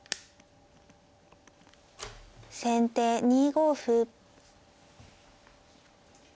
先手２五歩。